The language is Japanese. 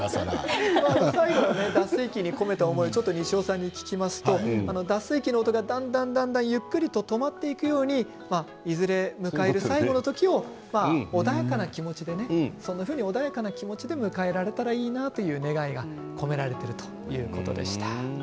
脱水機に込めた思いを西尾さんに聞きますと脱水機の音がだんだんゆっくりと止まっていくようにいずれ迎える最期の時を穏やかな気持ちで迎えられたらいいかなという願いが込められているということでした。